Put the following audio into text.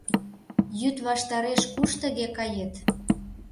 — Йӱд ваштареш куш тыге кает?